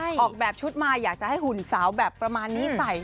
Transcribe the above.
ออกแบบชุดมาอยากจะให้หุ่นสาวแบบประมาณนี้ใส่